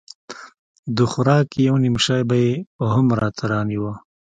د خوراک يو نيم شى به يې هم راته رانيوه.